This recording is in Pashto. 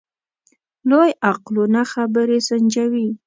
لوی عقلونه خبرې سنجوي.